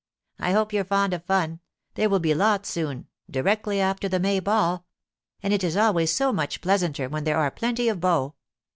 I hope you're fond of fun ; there will be lots soon, directly after the May ball — and it is always so much pleasanter when there are plenty of beaux.